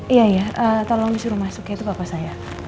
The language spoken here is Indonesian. iya iya tolong disuruh masuk ya itu bapak saya